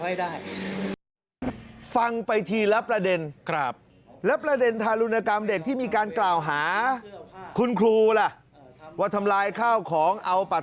ยิ่งผมก็ต้อง